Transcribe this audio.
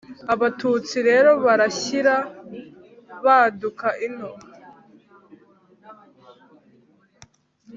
abatutsi rero barashyira baduka ino.